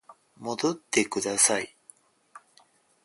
戻ってください